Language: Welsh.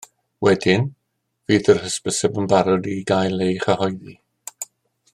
Wedyn, fydd yr hysbyseb yn barod i gael ei chyhoeddi